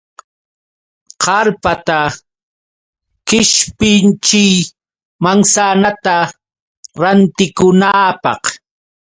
Karpata qishpichiy manzanata rantikunaapaq.